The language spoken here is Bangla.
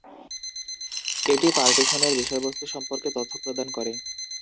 এটি পার্টিশনের বিষয়বস্তু সম্পর্কে তথ্য প্রদান করে।